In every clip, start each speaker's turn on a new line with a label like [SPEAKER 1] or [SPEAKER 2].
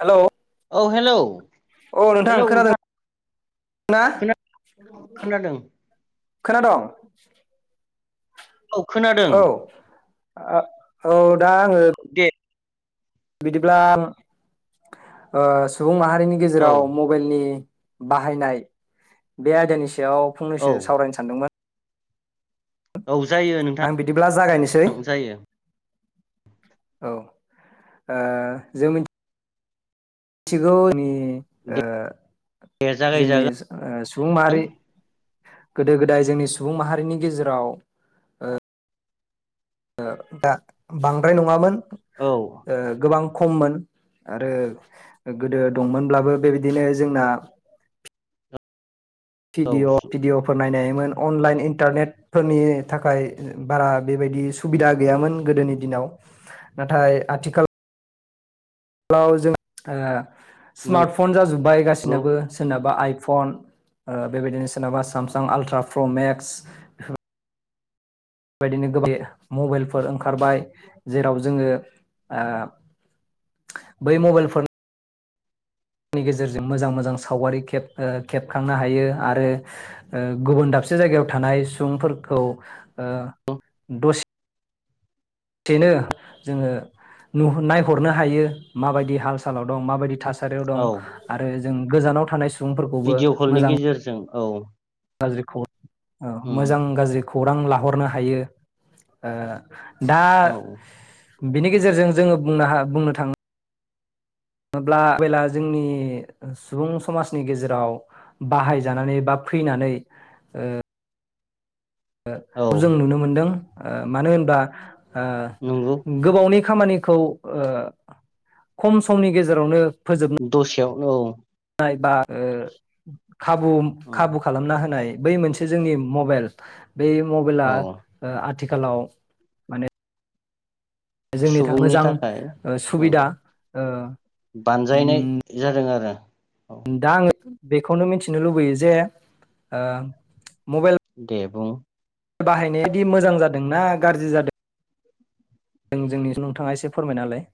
[SPEAKER 1] Hello.
[SPEAKER 2] औ hello.
[SPEAKER 1] अ नोंथां खोनादों ना?
[SPEAKER 2] खोना खोनादों
[SPEAKER 1] खोनादं।
[SPEAKER 2] औ खोनादों।
[SPEAKER 1] आ। औ दा आङो
[SPEAKER 2] दे
[SPEAKER 1] बिदिब्ला ओ सुबुं माहारि जोंनि
[SPEAKER 2] औ
[SPEAKER 1] गेजेराव मबाइलनि बाहायनाय बे आयदानि सायाव
[SPEAKER 2] औ
[SPEAKER 1] फंनैसो सावरायनो सानदोंमोन।
[SPEAKER 2] औ जायो नोंथां
[SPEAKER 1] आं बिदिब्ला जागायनोसै।
[SPEAKER 2] जायो
[SPEAKER 1] औ ओ जों मि थिगौनि ओ ओ
[SPEAKER 2] दे
[SPEAKER 1] जोंनि
[SPEAKER 2] जागायजागोन
[SPEAKER 1] सुबुं माहारि गोदो गोदाय जोंनि सुबुं माहारिनि गेजेराव ओ दा बांद्राय नङामोन।
[SPEAKER 2] औ
[SPEAKER 1] ओ गोबां खममोन आरो गोदो दंमोनब्लाबो बेबायदिनो जोंना
[SPEAKER 2] औ
[SPEAKER 1] भिडअ भिडिअफोर नायनाय मोन अनलाइन इन्टारनेटफोरनि थाखाय बारा बेबायदि सुबिदा गैयामोन गोदोनि दिनाव नाथाय आथिखाल लाव जों ओ स्मार्टफन जाजोब्बाय
[SPEAKER 2] नंगौ
[SPEAKER 1] गासिनाबो सोरनाबा आइफन बेबायदिनो सोरनाबा सामसां आल्ट्रा प्र मेक्सफोर बायदिनो गोबा मबाइलफोर ओंखारबाय जेराव जोङो ओ बै मबाइलफोर नि गेजेरजों मोजां मोजां सावगारि खेब खेबखांनो हायो आरो गुबुन दाबसे जायगायाव थानाय सुबुंफोरखौ ओ दसे सेनो जोङो नुह नायहरनो हायो माबायदि हाल सालाव दं माबायदि थासा रियाव दं
[SPEAKER 2] औ
[SPEAKER 1] आरो जों गोजानाव थानाय सु
[SPEAKER 2] भिडिअ' कलनि गेजेरजों औ।
[SPEAKER 1] गाज्रि खौ
[SPEAKER 2] उम
[SPEAKER 1] मोजां गाज्रि खौरां लाहरनो हायो ओ दा
[SPEAKER 2] औ
[SPEAKER 1] बिनि गेजेरजों जोङो बुंनो हा बुंनो थाङो ङोब्ला मबेला जोंनि सुबुं समाजनि गेजेराव बाहायजानानै बा फैनानै ओ
[SPEAKER 2] औ
[SPEAKER 1] खौ जों नुनो मोनदों। ओ मानो होनबा ओ
[SPEAKER 2] नंगौ
[SPEAKER 1] गोबावनि खामानिखौ ओ खम समनि गेजेरावनो
[SPEAKER 2] दसेयाव औ।
[SPEAKER 1] खायबा ओ खाबु
[SPEAKER 2] उम
[SPEAKER 1] खाबु खालामना होनाय बै मोनसे जोंनि मबेइल बे मबेला
[SPEAKER 2] औ
[SPEAKER 1] ओ आ थिखालाव
[SPEAKER 2] सुबुंनि थाखाय
[SPEAKER 1] ओ
[SPEAKER 2] औ
[SPEAKER 1] सुबिदा ओ
[SPEAKER 2] बानजायनाय जादों आरो औ
[SPEAKER 1] दां आङो बेखौनो मिथिनो लुबैयो जे ओ मबेल
[SPEAKER 2] दे बुं।
[SPEAKER 1] बाहायनायादि मोजां जादोंना गाज्रि जादों जों जोंनि नोंथाङा एसे फोरमायनालाय?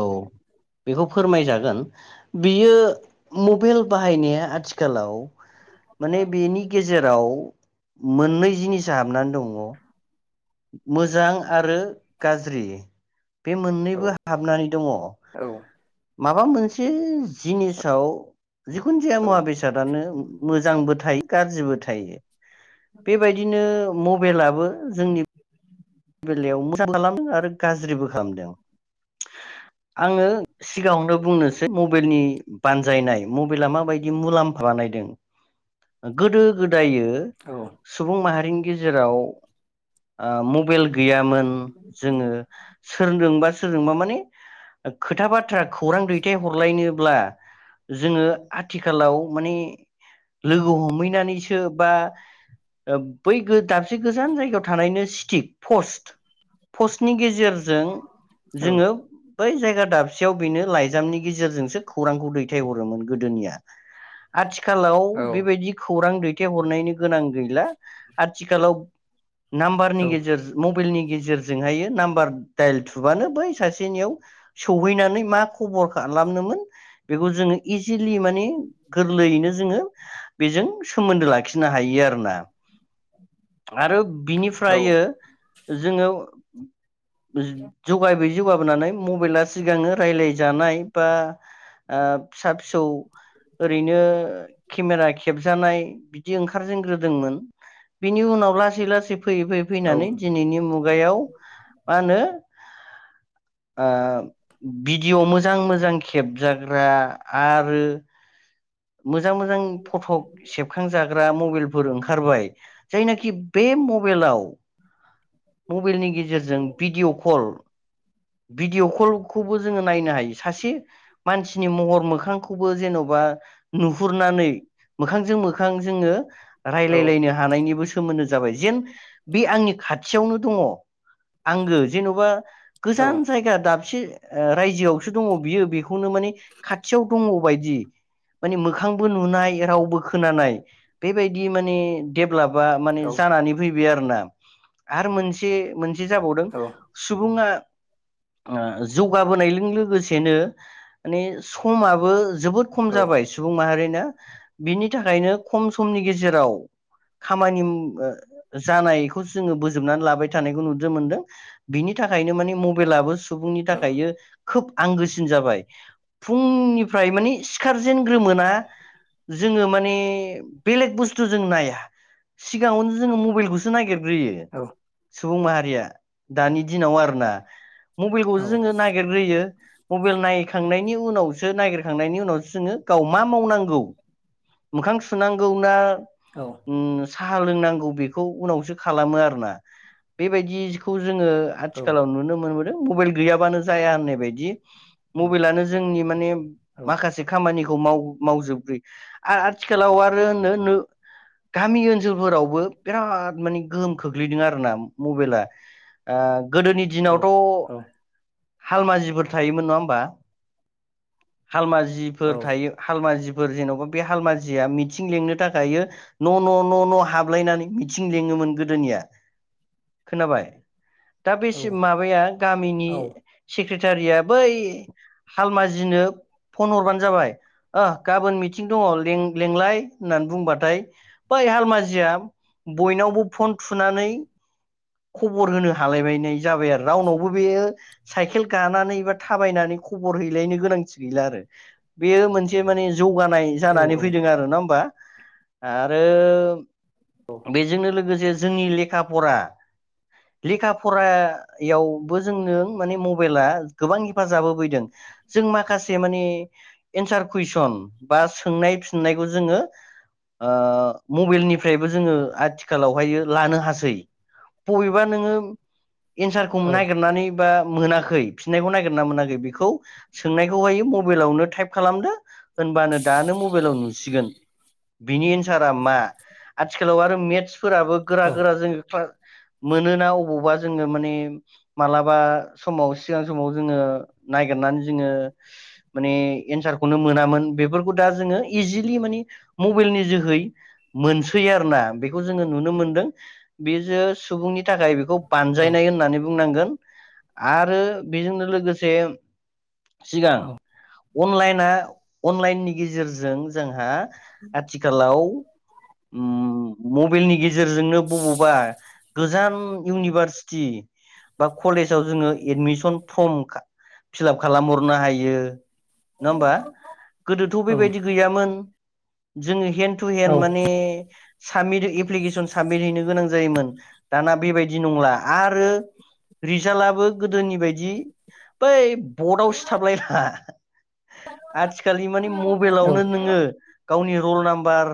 [SPEAKER 2] औ बेखौ फोरमायजागोन बियो मबेल बाहायनाया आथिखालाव माने बेनि गेजेराव मोननै जिनिसा हाबनानै दङ' मोजां आरो गाज्रि बे
[SPEAKER 1] औ
[SPEAKER 2] मोननैबो हाबनानै दङ'।
[SPEAKER 1] औ
[SPEAKER 2] माबा मोनसे जिनिसाव जिखुनु जाया
[SPEAKER 1] औ
[SPEAKER 2] मुवा बेसादानो मोजांबो थाय गाज्रिबो थायो। बेबायदिनो [unintelligible] बेलाबो जोंनि बेलायाव मोजां खालामो आरो गाज्रिबो खालामो आङो सिगाङावनो बुंनोसै मबाइलनि बानजायन मबाइलआ मा बायदि मुलाम्फा बानायदों गोदो गोदायो ओ
[SPEAKER 1] औ
[SPEAKER 2] सुबुं माहा गेजेराव ओ मबेल गैया मोन जोङो सोरजोंबा सो सोरजोंबा माने खोथा बाथ्रा खौरां दैथाय हरलायनोब्ला जोङो आथिखालाव माने लोगो हमहैनानैसो सो बा बै दाबसे गोजान जायगायाव थानायनो सिटिक फस्ट फस्टनि गेजे ‌ जेरजों
[SPEAKER 1] औ
[SPEAKER 2] जोङो बै जाय दाबसेयाव बेनो लाइजामनि गेजेरजोंसो खौरांखौ दैथाय हरोमोन गोदोनिया आथि कालाव बेबायदि खौ खौरां दैथायहरनायनि गोनां गैला आथिखालाव नाम्बारनि
[SPEAKER 1] औ
[SPEAKER 2] गेजेर मबेलनि गेजेरजों हायो नाम्बार दाइल थुबानो बै सासेनियाव सौहैनानै मा खबर खालामनोमोन बेखौ जों इजिलि माने गोरलैयैनो जोङो बेजों सोमोन्दो लाखि नो हायो आरो ना। आरो
[SPEAKER 1] औ
[SPEAKER 2] बिनिफ्रायो जोङो जौगाबाय जौगाबोनानै मबाइला सिगाङो रायलाय जानाय बा ओ फिसा फिसौ ओरैनो केमेरा खेबजानाय बिदि ओंखार जेनग्रोदोंमोन बेनि उनाव लासै लासै फैयै फै
[SPEAKER 1] औ
[SPEAKER 2] फैनानै दिनैनि मुगायाव मा होनो ओ भिडिअ' मोजां मोजां खेबजाग्रा आरो मोजां मोजां फटक सेबखांजाग्रा मबाइलफोर ओंखारबाय। जायनाखि बे मबेलाव मबेलनि गेजेरजों भिडिअ' कल भिदिअ' कल खौबो जोङो नायनो हायो सासे मानसिनि महर मोखांखौबो जेनबा नुहुरनानै मोखांजों मोखां जोङो रायलायलायनो हानायनिबो सोमोन्दो जाबाय जेन बे आंनि खाथियावनो दङ आंगो जेनबा गोजान
[SPEAKER 1] औ
[SPEAKER 2] जायगा दाबसे ओ रायजोआवसो दङ बियो बेखौनो माने खाथियाव दङ बायदि माने मोखांबो नुनाय रावबो खोनानाय बेबायदि माने देब ब्लापआ माने जानानै फै बाय आरो ना आरो मोनसे मोन से जाबावदों सुबुङा जौगाबोनायजों लोगोसेनो माने समाबो जोबोद खम जाबाय सुबुं माहारिना। बिनि थाखायनो खम समनि गेजेराव खामानि ओ जानायखौ जोङो बोजोबनानै लाबाय थानायखौ नुनो मोनदों बिनि थाखायनो माने मबेलाबो- बुंनि थाखाय खोब आंगोसिन जाबाय फुंनिफ्राय मानिे सिखारजेनग्रोमोना जोङो माने बेलेग बुस्थु जों नाया सिगाङावनो जोङो मबाइलखौसो नागि- -यो सुबुं माहारिया दानि दिनाव आरोना मबाइलखौसो जोङो नागिरग्रोयो मबाइल नायखांनायनि उनावसो नायगिरखांनायनि उनावसो जोङो गाव मा मावनांगौ मोखां सुनांगौ ना उ साहा लोंनांगौ बेखौ उनावसो खालामो आरोना बेबायदिखौ जोङो आथिखालाव नुनो मोनो दों मबाइल गैयाबानो जाया होननाय बायदि मबाइलानो जोंनि माने माखासे खामानि माव मावजोब आ आरो आथिखालाव आरो नो नो गामि ओनसोलफोरावबो बिराद माने गोहोम खोख्लैदों आरोना मबाइला गोदोनि
[SPEAKER 1] औ
[SPEAKER 2] दिनावथ'
[SPEAKER 1] औ
[SPEAKER 2] हालमाजिफोर थायोमोन नङा होमबा हालमा
[SPEAKER 1] औ
[SPEAKER 2] जिफोर थायो हालमा जि- फोर जेनबा बे हालमाजया मिथिं लेंनो थाखाय न न न न हाबलायनानै मिथिं लिङोमोन गोदोनिया खोनाबाय दा
[SPEAKER 1] औ
[SPEAKER 2] बेसे मा- -माब गामिनि- -टारिया बै हालमाजिनो फन हरबानो जाबाय ओ गाबोन मिथिं दङ लेंलाय होननानै बुंबाथाय बै हालमाजिया बयनावबो फन थुनानै खबर होनो हालायबाय जाबाय आ रावनावबो बेयो साइकेल गानानै बा थाबायनानै खबर हैलायनो गोनांथि गैला आरो बेयो मोनसे माने जौगानाय
[SPEAKER 1] औ
[SPEAKER 2] जानानै फैदों आरो ना होमबा आरो
[SPEAKER 1] औ
[SPEAKER 2] बेजोंनो लोगोसे जोंनि लेखा फरा लेखा फरा यावबो जों नों माने मबाइला गोबां हेफाजाब होफैदों जों माखासे माने एन्सार कुइसन बा सोंनाय फिननायखौ जोङो ओ मबाइलनिफ्रायबो जोङो आथिखालावहायो लानो हासै बबेबा नोङो एन्सारखौ नायगिरनानै बा मोनाखै फिननायखौ नायगिरना मोनाखै बेखौ सोंनायखौहायो मबाइलावनो टाइप खालामदो होनबानो दानो मबाइलाव नुसिगोन। बिनि एनस सारा मा आथिखालाव आरो मेटस फोराबो
[SPEAKER 1] औ
[SPEAKER 2] गोरा गोरा जोङो क्ला मोनोना अबावबा जों जोङो माने मालाबा समाव सिगां समाव जोङो नागिरनानै जोङो माने एन्सारखौनो मोनामोन बेफोरखौ दा जोङो इजिलि माने मबाइलनि जोहै मोनसै आरो ना बेखौ जोङो नुनो मोनदों बे जा सुबुंनि थाखाय बेखौ
[SPEAKER 1] औ
[SPEAKER 2] बानजायनाय होननानै बुंनांगोन। आरो बेजोंनो लोगोसे सिगां अनलाइना अनलाइननि गेजेरजों जोंहा आथिखालाव उम मबाइलनि गेज गेजेरजोंनो बबावबा गोजान इउनिभार सिटि बा कलेजाव जोङो एडमिसन फर्म फिलाप खालामहरनो हायो। नङा होमबा गोदोथ'
[SPEAKER 1] औ
[SPEAKER 2] बेबायदि गैयामोन। जोङो हेन्द टु हेन्द माने साबमिट एप्लिकेसन साबमिट हैनो गोनां जायोमोन। दाना बेबायदि नंला। आरो रिजाल्टआबो गोदोनि बायदि बै बर्डआव सिथाब लायनाङा आथिखालनि माने मबाइलावनो नोङो गावनि रल नाम्बार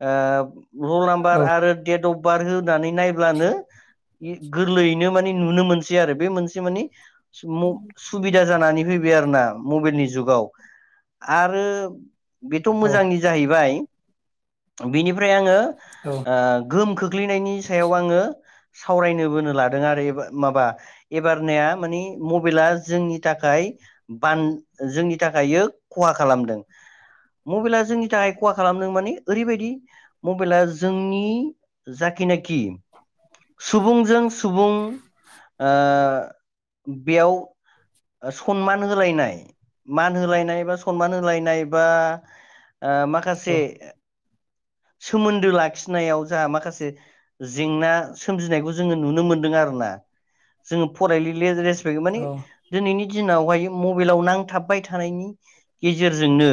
[SPEAKER 2] ओ [unintelligible] नाम्बार आरो डेट अफ बार हो नानै नायब्लानो इ गोरलैयैनो माने नुनो मोनसै आरो बे मोनसे माने सु म सुबिदा जानानै फैबाय आरो ना मबाइलनि जुगाव आरो बेथ' मोजांनि जाहैबाय बिनिफ्राय आङो ओ गोहोमखौ गोग्लैनायनि सायाव आङो सावरायनो बोनो लादों आरो माबा एबारनाया माने मबाइला जोंनि थाखाय बान जोंनि थाखाय खहा खालामदों मबाइला जोंनि थाखाय खहा खालामदों माने ओरैबायदि मबाइला जोंनि जाखिनाखि सुबुंजों सुबुं ओ बेयाव सनमान होलायनाय मान होलायनाय बा सनमान होलायनाय बा ओ माखासे सोमोन्दो लाखिनायाव जाहा माखासे जेंना सोमजिनायखौ जोङो नुनो मोनदों आरोना जोङो फरायलि माने दिनैनि दिनावहाय मबाइलाव नांथाबबाय थानायनि गेजेरजोंनो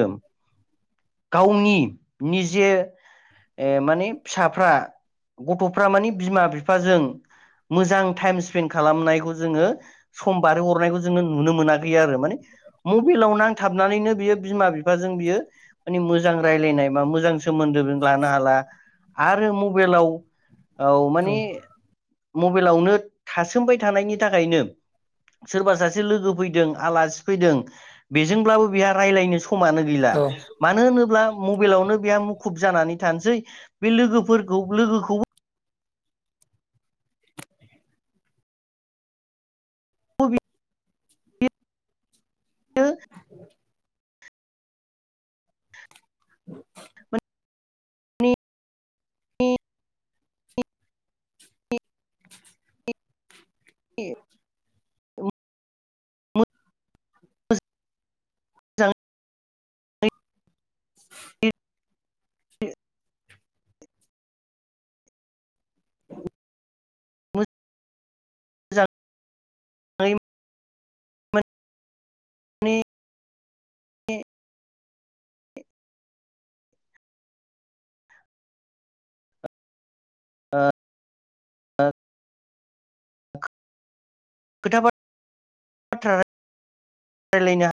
[SPEAKER 2] गावनि निजे माने फिसाफ्रा गथ'फ्रा मानि बिमा बिफा बिफाजों मोजां टाइम स्पेन्ड खालामनायखौ जोङो सम बारहोहरनायखौ जोङो नुनो मोनाखै आरो माने मबाइलाव नांथाबनानैनो बियो बिमा बिफाजों बियो माने मोजां राय्लायनाय बा मोजां सोमोन्दो लानो हाला आरो मबाइलाव औ माने मबाइलावनो थासोमबाय थानायनि थाखायनो सोरबा सासे लोगो फैदों आलासि फैदों बेजोंब्लाबो बेहा रायज्लायनो सम समानो गैला
[SPEAKER 1] औ औ
[SPEAKER 2] मानो होनोब्ला मबाइलावनो बेहा मुखुब जानानै थानोसै बे लोगोफोरखौ लोगोखौबो औबो बियो
[SPEAKER 1] [unintelligible] [unintelligible]
[SPEAKER 2] [unintelligible] नि नि
[SPEAKER 1] [unintelligible]
[SPEAKER 2] ए [unintelligible] मोजां जागोनि [unintelligible]
[SPEAKER 1] [unintelligible]
[SPEAKER 2] [inaudible] मोजां जागोनि ओ ओ खोथा बाथरा राय्लायनो खोथा बाथा रायलायनो